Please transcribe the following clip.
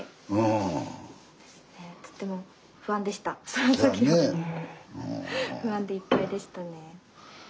その時は不安でいっぱいでしたね。